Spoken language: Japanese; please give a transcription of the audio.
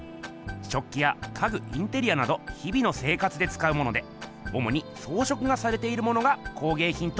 食器や家具インテリアなど日々の生活でつかうものでおもにそうしょくがされているものが工げいひんとよばれています。